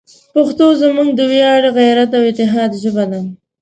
پښتو زموږ د ویاړ، غیرت، او اتحاد ژبه ده.